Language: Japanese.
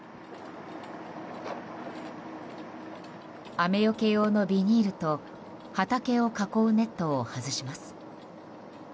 雨よけ用のビニールと畑を囲うネットを外します。